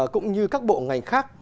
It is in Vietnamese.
cũng như các bộ ngành khác